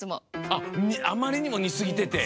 あっあまりにもにすぎてて？